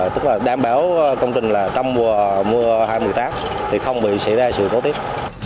tức là đảm bảo công trình là trong mùa hai mươi tám thì không bị xảy ra sự cố tiếp